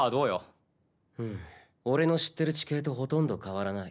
うん俺の知ってる地形とほとんど変わらない。